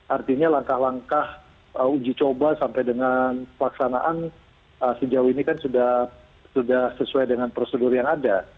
artinya langkah langkah uji coba sampai dengan pelaksanaan sejauh ini kan sudah sesuai dengan prosedur yang ada